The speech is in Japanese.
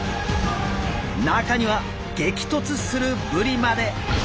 中には激突するブリまで。